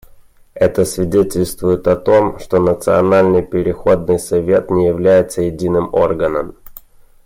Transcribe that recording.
Это свидетельствует о том, что Национальный переходный совет не является единым органом.